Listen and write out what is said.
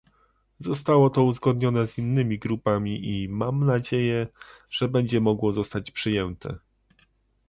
Zostało to uzgodnione z innymi grupami i mam nadzieję, że będzie mogło zostać przyjęte